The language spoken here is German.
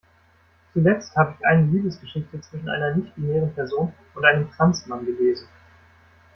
Zuletzt hab ich eine Liebesgeschichte zwischen einer nichtbinären Person und einem Trans-Mann gelesen.